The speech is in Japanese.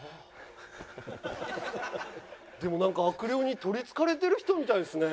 でもなんか悪霊にとりつかれてる人みたいですね。